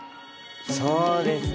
そうですね。